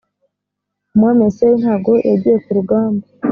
umwami wa isirayeli ntago yagiye ku rugamba